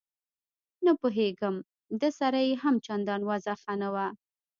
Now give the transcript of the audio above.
نه پوهېږم ده سره یې هم چندان وضعه ښه نه وه.